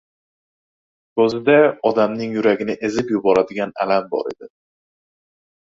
Ko‘zida, odamning yuragini ezib yuboradigan alam bor edi.